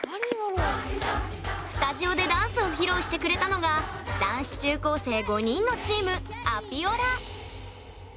スタジオでダンスを披露してくれたのが男子中高生５人のチームアピオラ。